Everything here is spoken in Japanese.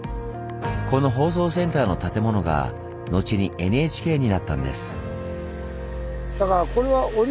この放送センターの建物が後にＮＨＫになったんです。